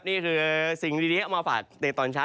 นี่คือสิ่งดีที่เรามาฝากใต้ตอนช้า